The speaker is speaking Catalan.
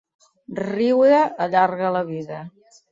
Riure allarga la vida.